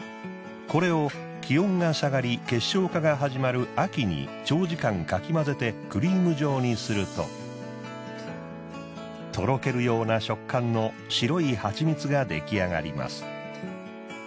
これを気温が下がり結晶化が始まる秋に長時間かき混ぜてクリーム状にするととろけるような食感の白い蜂蜜が出来上がります。